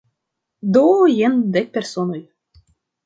Do jen dek personoj.